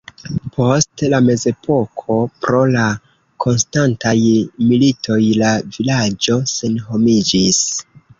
Post la mezepoko pro la konstantaj militoj la vilaĝo senhomiĝis.